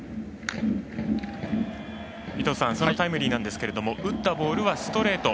そのタイムリーなんですが打ったボールはストレート。